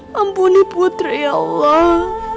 membunuh putri ya allah